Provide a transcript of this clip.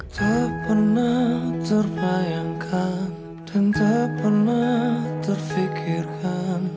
bisa diberi apa apa tapi aku mau buktikan